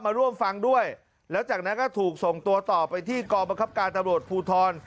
มาร่วมฟังด้วยแล้วจากนั้นก็ถูกส่งตัวต่อไปที่กองบังคับการตำรวจภูทร